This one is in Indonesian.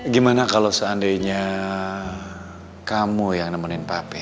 gimana kalau seandainya kamu yang nemenin pape